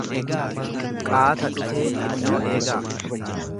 Qaata dhufee xinnoo eegaa!